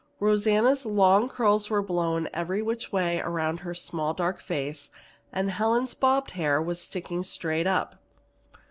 Rosanna's long curls were blown every which way around her small, dark face, and Helen's bobbed hair was sticking straight up.